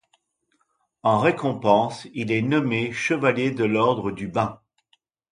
En récompense, il est nommé chevalier de l'Ordre du Bain.